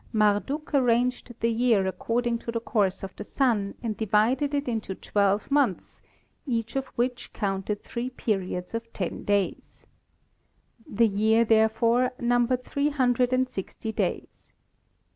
Marduk arranged the year according to the course of the Sun and divided it into twelve months, each of which counted three periods of ten days. The year, therefore, numbered three hundred and sixty days.